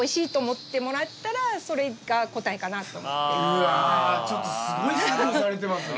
うわちょっとすごい作業されてますね。